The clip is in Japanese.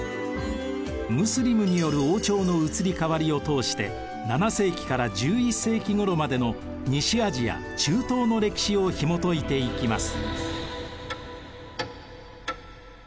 ムスリムによる王朝の移り変わりを通して７世紀から１１世紀ごろまでの西アジア・中東の歴史をひもといていきます。